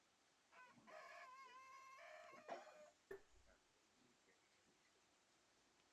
তিনি মালদ্বীপের প্রাক্তন অ্যাটর্নি জেনারেল ছিলেন।